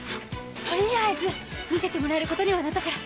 とりあえず見せてもらえることにはなったから。